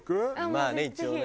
まあね一応ね。